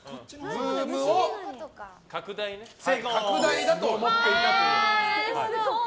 Ｚｏｏｍを拡大だと思っていたという。